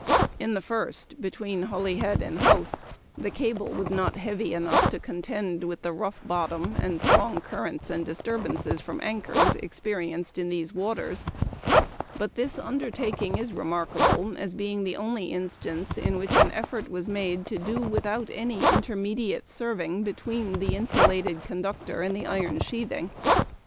In the first between Holyhead and Howth the cable was not heavy enough to contend with the rough bottom, and strong currents and disturbances from anchors experienced in these waters; but this undertaking is remarkable as being the only instance in which an effort was made to do without any intermediate serving between the insulated conductor and the iron sheathing.